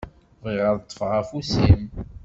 Bɣiɣ ad ṭṭfeɣ afus-im.